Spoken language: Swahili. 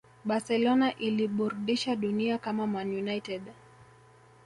Barcelona iliburdisha dunia kama Man United